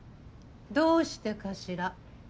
どうしてかしら。